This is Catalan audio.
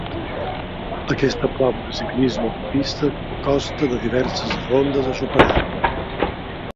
Aquesta prova de ciclisme en pista consta de diverses rondes a superar.